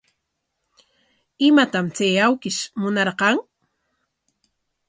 ¿Imatam chay awkish munarqan?